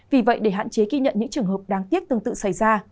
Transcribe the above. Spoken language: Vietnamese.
vì vậy để hạn chế ghi nhận những trường hợp đáng tiếc tương tự xảy ra